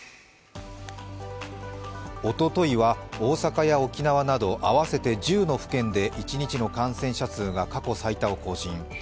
おとといは大阪や沖縄など合わせて１０の府県で一日の感染者数が過去最多を更新。